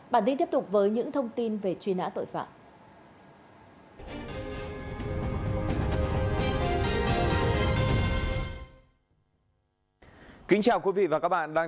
bản tin tiếp tục với những thông tin về truy nã tội phạm